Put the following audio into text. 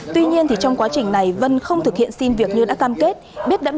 tuy nhiên trong quá trình này vân không thực hiện xin việc như đã cam kết biết đã bị lừa